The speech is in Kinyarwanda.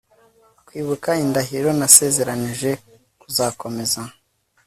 Kwibuka indahiro nasezeranije kuzakomeza